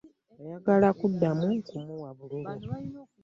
Ayagala kuddamu kumuwa bululu.